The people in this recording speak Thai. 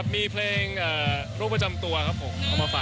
มีเพลงโรคประจำตัวครับผม